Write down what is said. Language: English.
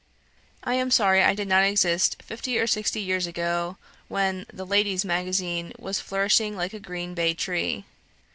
. I am sorry I did not exist fifty or sixty years ago, when the 'Ladies' Magazine' was flourishing like a green bay tree.